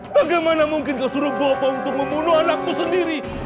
bagaimana mungkin kau suruh bapak untuk membunuh anakku sendiri